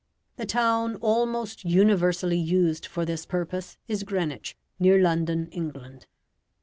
The town almost universally used for this purpose is Greenwich, near London, England.